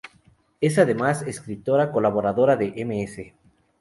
Es además, escritora colaboradora de Ms.